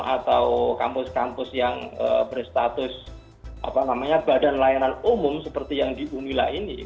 atau kampus kampus yang berstatus badan layanan umum seperti yang di umila ini